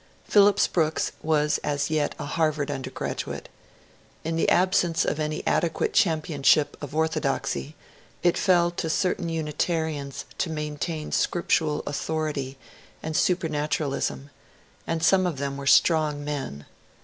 Phillips Brooks was as yet a Harvard undergraduate. In the absence of any adequate championship of orthodoxy it fell to certain Unitarians to maintain scriptural authority and supematu ralism, and some of them were strong men.